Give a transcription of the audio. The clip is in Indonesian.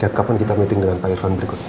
ketika kita meeting dengan pak irfan berikutnya